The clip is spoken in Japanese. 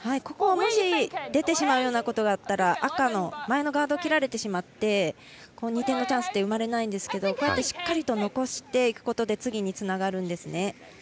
ここ、もし出てしまうようなことがあったら赤の前のガードを切られてしまって２点のチャンスって生まれないんですけどこうして、しっかり残していくことで次につながるんですね。